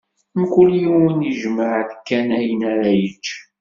Mkul yiwen ijmeɛ-d kan ayen ara yečč.